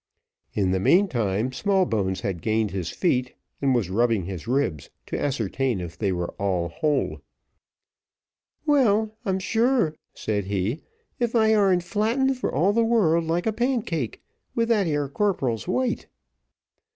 In the meantime Smallbones had gained his feet, and was rubbing his ribs, to ascertain if they were all whole. "Well, I'm sure," said he, "if I ar'n't flattened for all the world like a pancake, with that 'ere corporal's weight.